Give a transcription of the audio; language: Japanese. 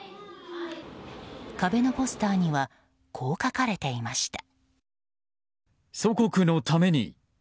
壁のポスターにはこう書かれていました。